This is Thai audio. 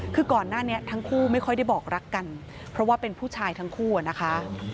คือก่อนหน้านี้ทั้งคู่ไม่ค่อยได้บอกรักกันเพราะว่าเป็นผู้ชายทั้งคู่อะนะคะ